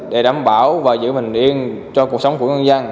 để đảm bảo và giữ mình yên cho cuộc sống của người dân